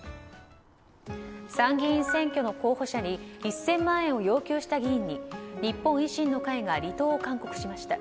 参議院選挙の候補者に１０００万円を要求した議員に日本維新の会が離党を勧告しました。